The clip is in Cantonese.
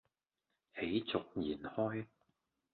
喜逐言開